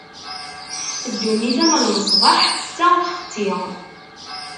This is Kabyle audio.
Ddunit am lmesbeḥ, tettaɣ, txessi.